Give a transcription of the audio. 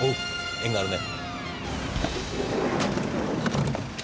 縁があるね。